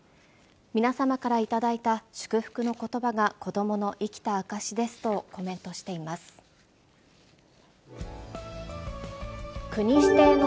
皆様から頂いた祝福のことばが子どもの生きた証しですとコメントしています。